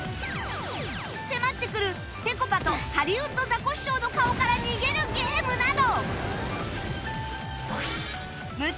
迫ってくるぺこぱとハリウッドザコシショウの顔から逃げるゲームなど